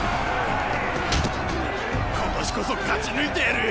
今年こそ勝ち抜いてやる！